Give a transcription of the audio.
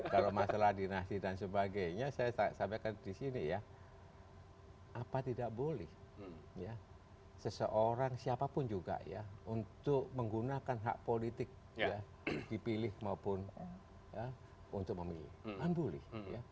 kalau masalah dinasti dan sebagainya saya sampaikan di sini ya apa tidak boleh seseorang siapapun juga ya untuk menggunakan hak politik dipilih maupun untuk memilih amboli